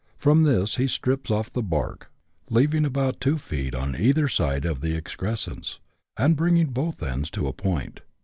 From this he strips off the bark, leaving about two feet on either side of the excrescence, and bringing both ends to a point.